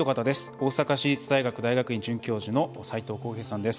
大阪市立大学大学院准教授の斎藤幸平さんです。